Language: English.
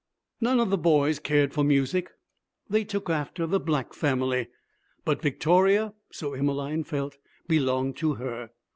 None of the boys cared for music. They 'took after' the Black family. But Victoria, so Emmeline felt, belonged to her.